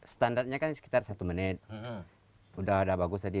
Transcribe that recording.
standarnya kan sekitar satu menit sudah bagus tadi